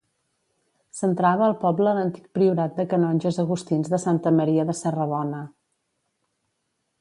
Centrava el poble l'antic priorat de canonges agustins de Santa Maria de Serrabona.